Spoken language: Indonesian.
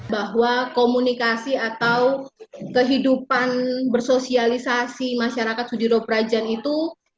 bahwa komunikasi atau kehidupan bersosialisasi masyarakat sudiro prajan itu